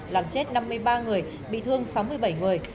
làm chết năm mươi ba người bị thương sáu mươi bảy người